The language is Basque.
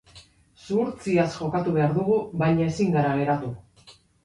Zuhurtziaz jokatu behar dugu, baina ezin gara geratu.